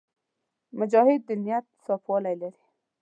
مجاهد د نیت صفاوالی لري.